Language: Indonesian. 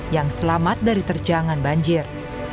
yang selamat dari terjangan banjir